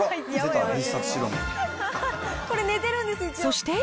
そして。